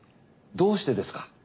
どうしてですか？